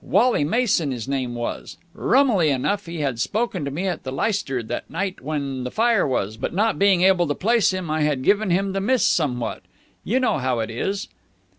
Wally Mason his name was. Rummily enough, he had spoken to me at the Leicester that night when the fire was, but not being able to place him, I had given him the miss somewhat. You know how it is.